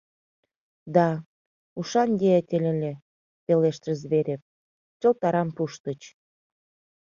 — Да, ушан деятель ыле, — пелештыш Зверев, — чылт арам пуштыч.